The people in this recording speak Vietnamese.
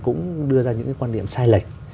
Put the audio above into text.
cũng đưa ra những cái quan điểm sai lệch